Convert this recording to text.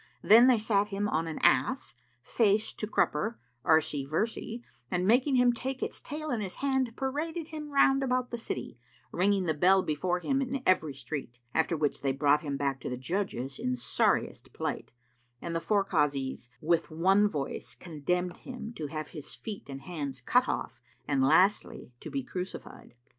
Then they sat him on an ass, face to crupper, arsi versy, and making him take its tail in his hand, paraded him round about the city, ringing the bell before him in every street; after which they brought him back to the judges in sorriest plight; and the four Kazis with one voice condemned him to have his feet and hands cut off and lastly to be crucified.